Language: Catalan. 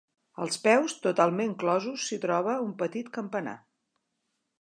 Als peus, totalment closos s'hi troba un petit campanar.